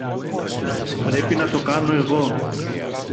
Πρέπει να το κάνω εγώ